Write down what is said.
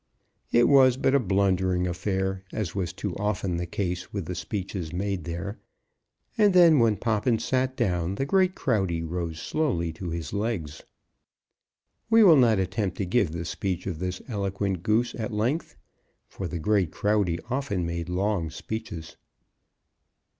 It was but a blundering affair, as was too often the case with the speeches made there; and then when Poppins sat down, the great Crowdy rose slowly to his legs. We will not attempt to give the speech of this eloquent Goose at length, for the great Crowdy often made long speeches.